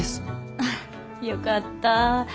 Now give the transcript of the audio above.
あよかった。